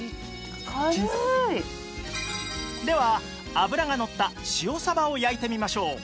では脂がのった塩サバを焼いてみましょう